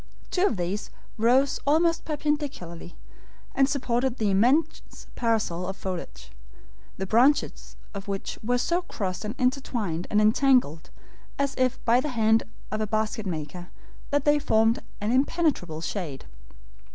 Two of these rose almost perpendicularly, and supported the immense parasol of foliage, the branches of which were so crossed and intertwined and entangled, as if by the hand of a basket maker, that they formed an impenetrable shade.